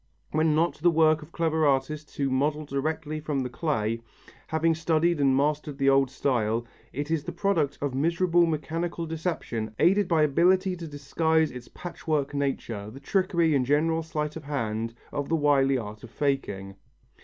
When not the work of clever artists who model direct from the clay, having studied and mastered the old style, it is the product of miserable mechanical deception aided by ability to disguise its patchwork nature, the trickery and general sleight of hand of the wily art of faking.